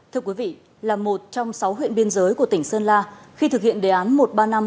thưa quý vị là một trong sáu huyện biên giới của tỉnh sơn la khi thực hiện đề án một ba năm của ủy ban nhân dân tỉnh